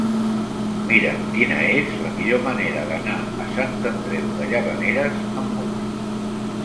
Mira'm quina és la millor manera d'anar a Sant Andreu de Llavaneres amb moto.